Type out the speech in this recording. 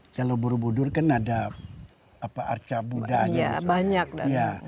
kalau borobudur kan ada arca buddhanya